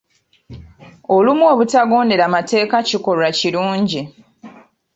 Olumu obutagondera mateeka kikolwa kirungi.